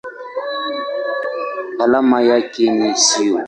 Alama yake ni SiO.